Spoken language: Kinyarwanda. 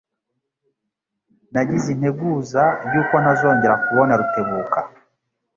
Nagize integuza yuko ntazongera kubona Rutebuka.